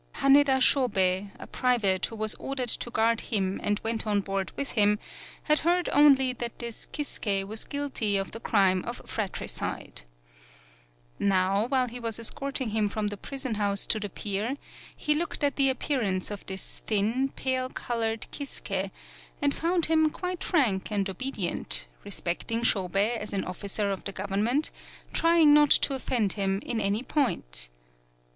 Haneda Shobei, a private, who was ordered to guard him and went on board with him, had heard only that this Kisuke was guilty of the crime of frat ricide. Now, while he was escorting him from the prison house to the pier, he looked at the appearance of this thin 7 PAULOWNIA pale colored Kisuke, and found him quite frank and obedient, respecting Shobei as an officer of the government, trying not to offend him in any point.